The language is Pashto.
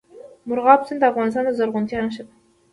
مورغاب سیند د افغانستان د زرغونتیا نښه ده.